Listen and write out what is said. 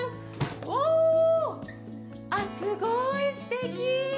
お、あっ、すごいすてき！